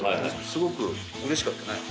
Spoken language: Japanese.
すごくうれしかったね。